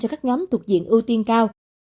cho các nhóm thuộc diện ưu tiên cao